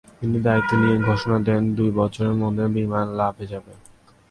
তিনি দায়িত্ব নিয়েই ঘোষণা দেন, দুই বছরের মধ্যে বিমান লাভে যাবে।